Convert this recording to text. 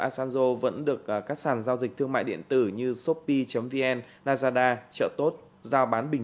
asanzo vẫn được các sản giao dịch thương mại điện tử như shopee vn lazada chợ tốt giao bán bình